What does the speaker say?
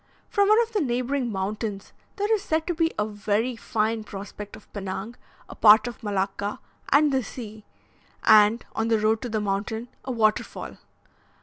From one of the neighbouring mountains there is said to be a very fine prospect of Pinang, a part of Malacca, and the sea, and, on the road to the mountain, a waterfall.